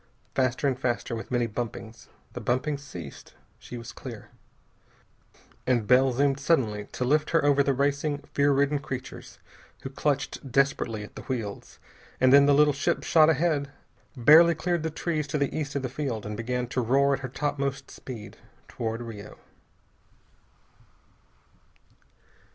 Faster and faster, with many bumpings. The bumpings ceased. She was clear. And Bell zoomed suddenly to lift her over the racing, fear ridden creatures who clutched desperately at the wheels, and then the little ship shot ahead, barely cleared the trees to the east of the field, and began to roar at her topmost speed toward Rio.